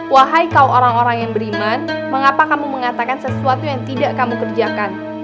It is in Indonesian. wahai kau orang orang yang beriman mengapa kamu mengatakan sesuatu yang tidak kamu kerjakan